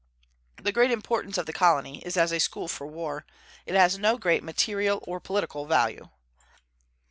The great importance of the colony is as a school for war; it has no great material or political value.